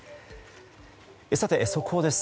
速報です。